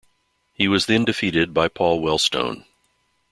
He was then defeated by Paul Wellstone.